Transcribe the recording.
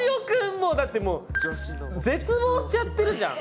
もうだってもう絶望しちゃってるじゃん。